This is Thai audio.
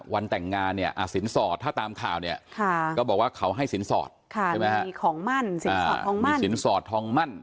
วันแต่งงานเนี่ยสินสอดถ้าตามข่าวเนี่ยก็บอกว่าเขาให้สินสอดมีของมั่นสินสอดทองมั่น